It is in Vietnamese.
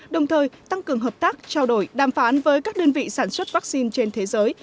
đồng thời tăng cường hợp tác trao đổi đàm phán với các đơn vị sản xuất vaccine trên thế giới